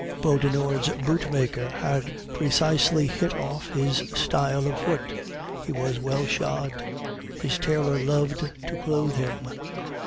Beaudenord's bootmaker had precisely hit off his style of foot; he was well shod; his tailor loved to clothe him.